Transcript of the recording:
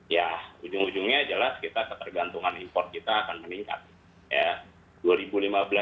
ya ujung ujungnya jelas kita ketergantungan import kita akan meningkat